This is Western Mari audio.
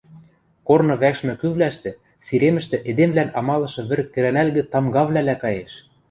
Корны вӓкшмӹ кӱвлӓштӹ, сиремӹштӹ эдемвлӓн амалышы вӹр кӹрӓнӓлгӹ тамгавлӓлӓ каеш...